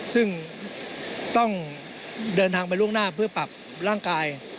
ซึ่งต้องเดินทางไปล่วงหน้าเพื่อปรับร่างกาย